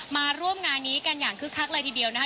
มาร่วมงานนี้กันอย่างคึกคักเลยทีเดียวนะคะ